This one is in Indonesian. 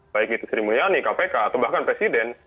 baik itu sri mulyani kpk atau bahkan presiden